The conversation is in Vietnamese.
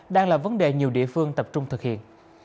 đang là vấn đề nhiều địa phương tập trung thực hiện